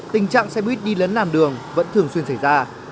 tình trạng xe buýt đi lấn làn đường vẫn thường xuyên xảy ra